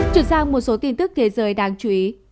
chuyển sang một số tin tức thế giới đáng chú ý